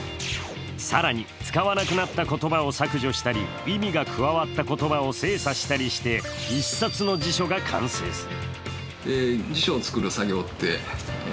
更に、使わなくなった言葉を削除したり、意味が加わった言葉を精査したりして一冊の辞書が完成する。